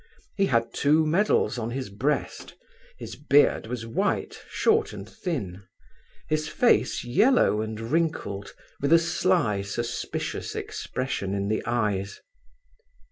He had two medals on his breast; his beard was white, short and thin; his face yellow and wrinkled, with a sly, suspicious expression in the eyes.